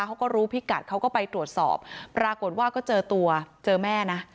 เขาก็รู้พิกัดเขาก็ไปตรวจสอบปรากฏว่าก็เจอตัวเจอแม่นะ